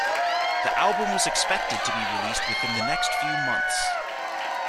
The album was expected to be released within the next few months.